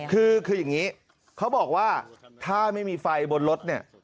คืออย่างนี้เขาบอกว่าถ้าไม่มีไฟบนรถเนี่ย